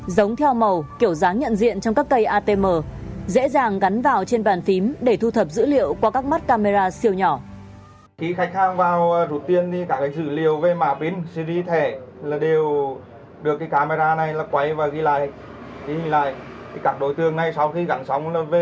giống theo màu kiểu dáng nhận diện trong các cây atm dễ dàng gắn vào trên bàn phím để thu thập dữ liệu qua các mắt camera siêu nhỏ